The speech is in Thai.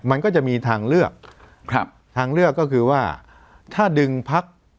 มันก็จะมีทางเลือกครับทางเลือกก็คือว่าถ้าดึงพัก